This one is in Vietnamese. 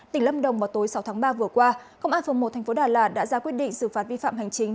tỉnh lâm đồng vào tối sáu tháng ba vừa qua công an phường một thành phố đà lạt đã ra quyết định xử phạt vi phạm hành chính